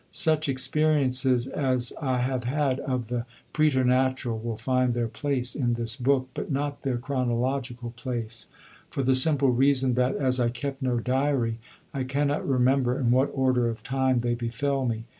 Such experiences as I have had of the preternatural will find their place in this book, but not their chronological place, for the simple reason that, as I kept no diary, I cannot remember in what order of time they befell me.